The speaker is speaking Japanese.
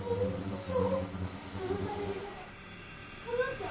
そのしゃべり方かなちゃん？